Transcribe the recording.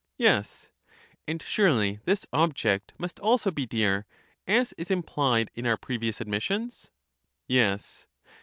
Yes. And surely this object must also be dear, as is im plied in our previous admissions? Yes.